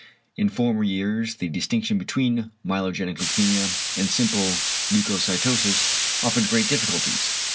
In former years the distinction between myelogenic leukæmia and simple leucocytosis offered great difficulties.